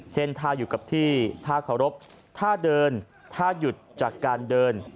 เช่นถ้าอยู่กับที่ท่าเคารพถ้าเดินถ้าหยุดจากการเดิน